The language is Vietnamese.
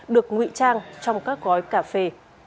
được ngụy trang trong các gói cà phê